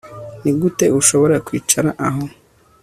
Nigute ushobora kwicara aho